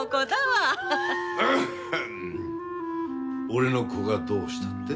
俺の子がどうしたって？